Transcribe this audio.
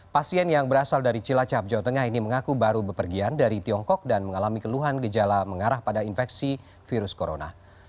pasien yang berasal dari cilacap jawa tengah ini mengaku baru bepergian dari tiongkok dan mengalami keluhan gejala mengarah pada infeksi virus corona